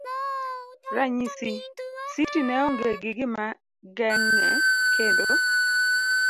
ranyisi. Siti ne onge gi gimageng'e kendo